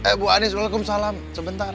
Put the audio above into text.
eh ibu anis waalaikumsalam sebentar